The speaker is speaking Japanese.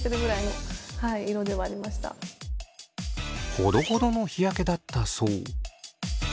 ほどほどの日焼けだったそう。